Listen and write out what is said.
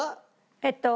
えっと。